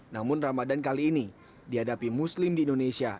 namun ramadan kali ini dihadapi muslim di indonesia